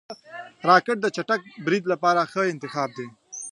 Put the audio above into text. راکټ د چټک برید لپاره ښه انتخاب دی